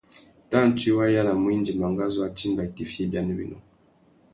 Tantsuï wa yānamú indi mangazú a timba itifiya ibianéwénô?